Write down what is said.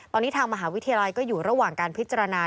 ตอนนี้ทางมหาวิทยาลัยก็อยู่ระหว่างการพิจารณา